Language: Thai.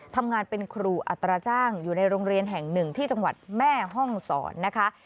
ทำงานเป็นครูอัตราจ้างอยู่ในโรงเรียนแห่งหนึ่งที่จังหวัดแม่ห้องศรนะคะ